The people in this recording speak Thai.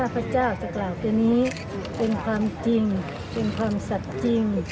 เป็นความสัตว์จริง